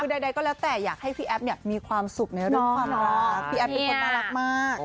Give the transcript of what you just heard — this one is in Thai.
คือใดก็แล้วแต่อยากให้พี่แอ๊บเนี่ยมีความสุขแล้วด้วยความรัก